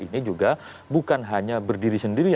ini juga bukan hanya berdiri sendiri